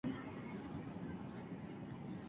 Hablaba con fluidez ruso y alemán.